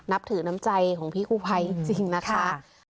นับถือน้ำใจของพี่กู้ภัยจริงนะคะ